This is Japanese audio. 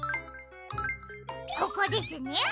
ここですね。